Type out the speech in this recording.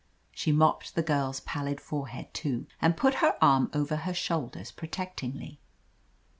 She mopped the girl's pallid fore head, too, and put her arm over her shoulders protectingly.